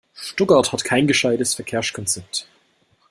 Stuttgart hat kein gescheites Verkehrskonzept.